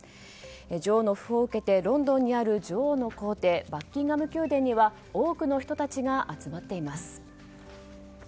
女王の訃報を受けてロンドンにある女王の公邸バッキンガム宮殿には多くの人たちが集まっています。